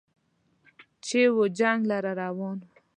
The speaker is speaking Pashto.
چې و جنګ لره روان و